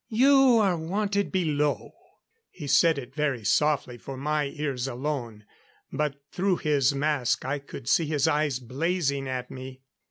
"You are wanted below." He said it very softly, for my ears alone; but through his mask I could see his eyes blazing at me.